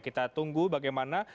kita tunggu bagaimana